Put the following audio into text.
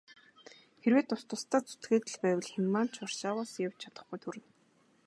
Хэрвээ тус тусдаа зүтгээд л байвал хэн маань ч Варшаваас явж чадахгүйд хүрнэ.